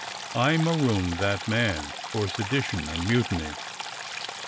I marooned that man for sedition and mutiny.